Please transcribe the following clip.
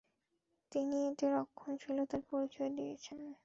তিনি এতে রক্ষণশীলতার পরিচয় দিয়েছেন।